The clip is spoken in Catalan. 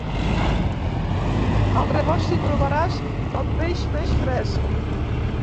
Al rebost hi trobaràs el peix més fresc.